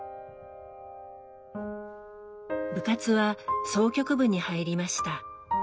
部活は箏曲部に入りました。